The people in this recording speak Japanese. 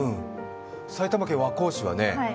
埼玉県和光市はね